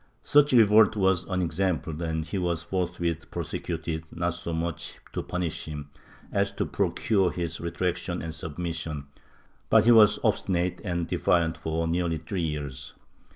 Such revolt was unexampled and he was forthwith prosecuted, not so much to punish him as to procure his retractation and submission, but he was obstinate and defiant for nearly three years.